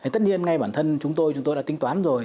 tất nhiên ngay bản thân chúng tôi chúng tôi đã tính toán rồi